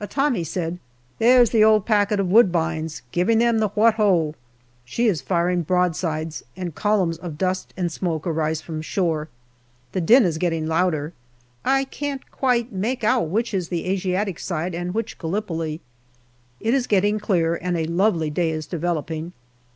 A Tommy said, " There's the old packet of Woodbines giving them what ho I" She is firing broadsides, and columns of dust and smoke arise from shore. The din is getting louder. I can't quite make out which is the Asiatic side and which Gallipoli. It is getting clearer and a lovely day is developing.